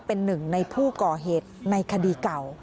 เป็นหนึ่งในผู้ก่อเหตุในคดีเก่า